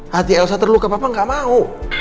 hati elsa terluka papa nggak mau